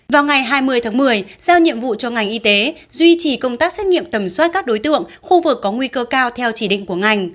vào ngày hai mươi tháng một mươi giao nhiệm vụ cho ngành y tế duy trì công tác xét nghiệm tầm soát các đối tượng khu vực có nguy cơ cao theo chỉ định của ngành